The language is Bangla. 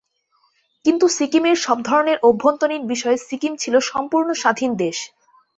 কিন্তু সিকিমের সবধরনের অভ্যন্তরীণ বিষয়ে সিকিম ছিল সম্পূর্ণ স্বাধীন দেশ।